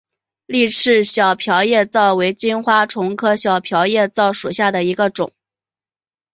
丽翅小瓢叶蚤为金花虫科小瓢叶蚤属下的一个种。